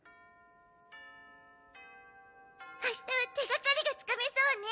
明日は手がかりがつかめそうね。